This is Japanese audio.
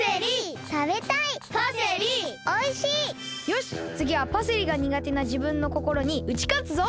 よしつぎはパセリがにがてなじぶんのこころにうちかつぞ！